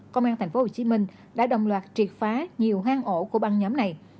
công an tp hcm đã đồng loạt triệt phá nhiều hang ổ của băng nhóm này